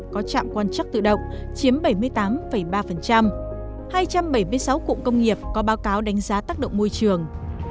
một trăm sáu mươi sáu cụm công nghiệp có báo cáo đánh giá tác động môi trường